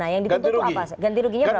nah yang dituntut itu apa ganti ruginya berapa